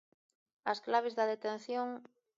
As claves da detención...